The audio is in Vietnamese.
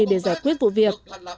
để giải quyết vụ việc